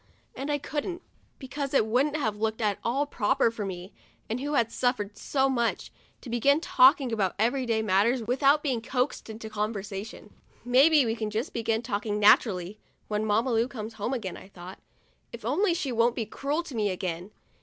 And I couldn't, because it wouldn't have looked at all proper for me, who had suffered so much, to begin talking about every day matters without being coaxed into conver sation. 68 FRIDAY— MY LEG IS BROKEN AND MENDED " Maybe we can just begin talking naturally, when Mamma Lu comes in again," I thought. " If only she won't be cruel to me again